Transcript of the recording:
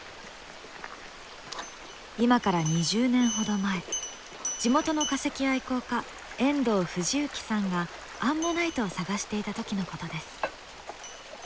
今から２０年ほど前地元の化石愛好家遠藤富士幸さんがアンモナイトを探していた時のことです。